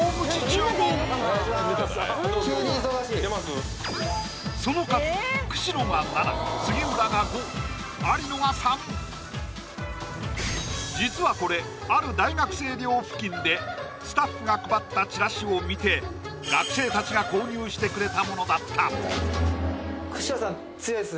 急に急がしいその数実はこれある大学生寮付近でスタッフが配ったチラシを見て学生たちが購入してくれたものだった久代さん